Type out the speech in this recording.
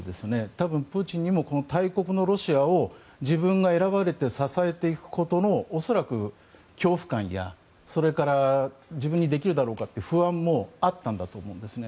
多分プーチンにも大国のロシアを自分が選ばれて支えていくことの恐らく、恐怖感やそれから、自分にできるだろうかという不安もあったんだと思うんですね。